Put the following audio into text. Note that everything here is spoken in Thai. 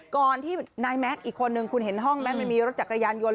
ก่อนที่นายแม็กซ์อีกคนนึงคุณเห็นห้องไหมมันมีรถจักรยานยนต